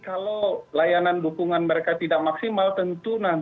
nanti kalau layanan dukungan mereka tidak maksimal tentu nanti sidang